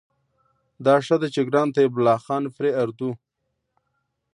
دا ښه ده چې ګران طيب الله خان پرې په اردو